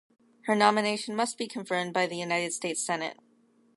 Her nomination must be confirmed by the United States Senate.